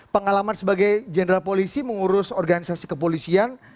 pengalaman sebagai jenderal polisi mengurus organisasi kepolisian